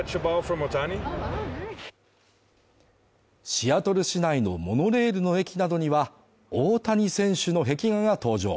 シアトル市内のモノレールの駅などには、大谷選手の壁画が登場。